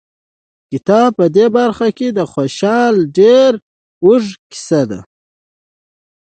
د کتاب په دې برخه کې د خوشحال ډېرې اوږې قصیدې